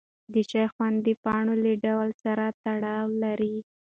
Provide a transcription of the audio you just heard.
د چای خوند د پاڼو له ډول سره تړاو لري.